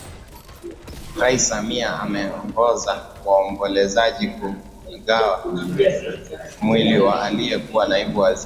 Rais Samia ameongoza waombolezaji kuuaga mwili wa aliyekuwa Naibu Waziri